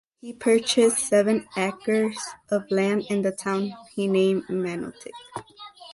He purchased seven acres of land in the town he named Manotick.